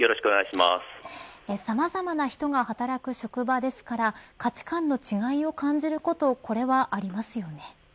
さまざまな人が働く職場ですから価値観の違いを感じることこれはありますよね。